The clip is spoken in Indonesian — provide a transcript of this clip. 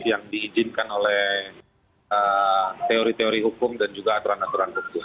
yang diizinkan oleh teori teori hukum dan juga aturan aturan hukum